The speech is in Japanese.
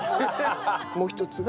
もう一つが？